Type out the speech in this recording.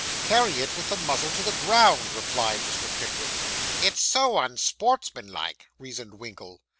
'Carry it with the muzzle to the ground,' replied Mr. Pickwick. 'It's so unsportsmanlike,' reasoned Winkle.